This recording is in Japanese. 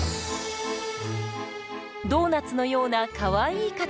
ドーナツのようなかわいい形。